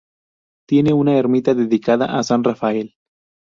Tiene una ermita dedicada San Rafael.